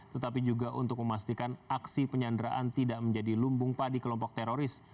tetapi juga untuk memastikan aksi penyanderaan tidak menjadi lumbung padi kelompok teroris